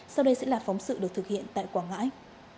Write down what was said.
sau đây sẽ là phóng sự được thực hiện tại quảng ngãi